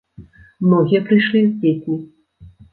Многія прыйшлі з дзецьмі.